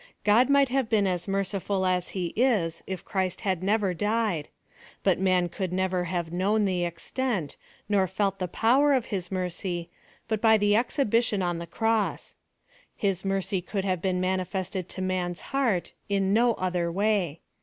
God might have been as merciful as he is, if Christ had never died ; but man could never have known the extent, nor felt the power, of his mercy, but by the exhibition on the cross. His mercy could have been manifested to man's heart in no other way.